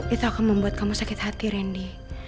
itu akan membuat kamu sakit hati randy